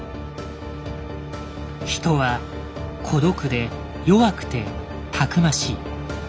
人は孤独で弱くて逞しい。